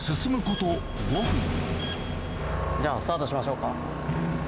じゃあ、スタートしましょうか。